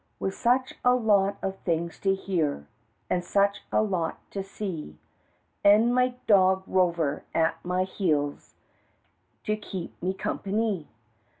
With such a lot of things to hear An' such a lot to see, An' my dog Rover at my heels, To keep me company.